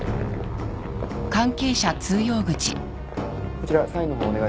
こちらサインの方お願いします。